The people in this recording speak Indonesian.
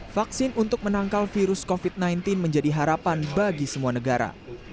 vaksin untuk menangkal virus covid sembilan belas menjadi harapan bagi semua negara